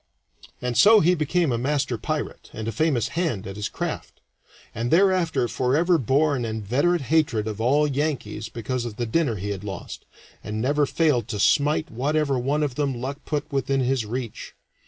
And so he became a master pirate, and a famous hand at his craft, and thereafter forever bore an inveterate hatred of all Yankees because of the dinner he had lost, and never failed to smite whatever one of them luck put within his reach.